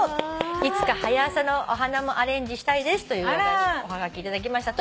「いつか『はや朝』のお花もアレンジしたいです」というおはがき頂きました。